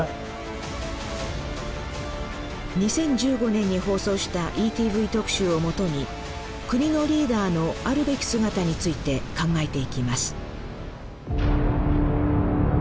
２０１５年に放送した「ＥＴＶ特集」をもとに国のリーダーのあるべき姿について考えていきます